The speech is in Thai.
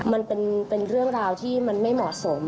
มันเป็นเรื่องราวที่มันไม่เหมาะสม